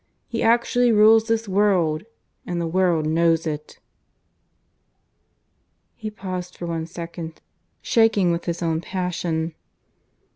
_ He actually rules this world. And the world knows it." He paused for one second, shaking with his own passion.